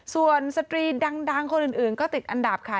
ส่วนสตรีดังคนอื่นก็ติดอันดับค่ะ